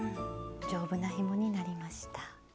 丈夫なひもになりました。